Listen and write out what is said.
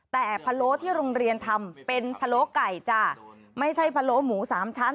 แต่พะโล้ที่โรงเรียนทำเป็นพะโล้ไก่จ้ะไม่ใช่พะโล้หมูสามชั้น